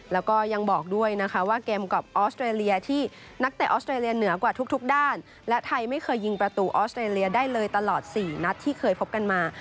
แล้วก็ยังบอกด้วยนะคะว่าเกมกับออสเตรเลียที่นักเตะออสเตรเลียเหนือกว่าทุกด้านและไทยไม่เคยยิงประตูออสเตรเลียได้เลยตลอด๔นัดที่เคยพบกันมา